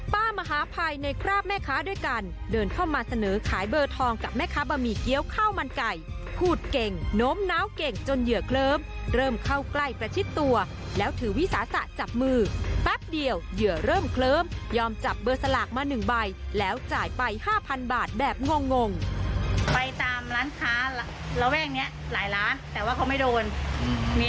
มหาภัยในคราบแม่ค้าด้วยกันเดินเข้ามาเสนอขายเบอร์ทองกับแม่ค้าบะหมี่เกี้ยวข้าวมันไก่พูดเก่งโน้มน้าวเก่งจนเหยื่อเคลิ้มเริ่มเข้าใกล้ประชิดตัวแล้วถือวิสาสะจับมือแป๊บเดียวเหยื่อเริ่มเคลิ้มยอมจับเบอร์สลากมา๑ใบแล้วจ่ายไป๕๐๐บาทแบบงงไปตามร้านค้าระแวกนี้หลายล้านแต่ว่าเขาไม่โดนมี